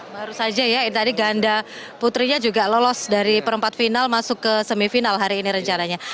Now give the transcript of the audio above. baru saja ya tadi ganda putrinya juga lolos dari perempat final masuk ke semifinal hari ini rencananya